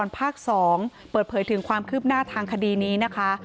ภาค๒เปิดเผยถึงความคืบหน้าทางคดีนี้นะคะ